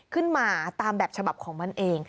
ขึ้นมาตามแบบฉบับของมันเอง